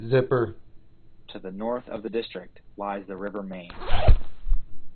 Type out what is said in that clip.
To the north of the district lies the River Main.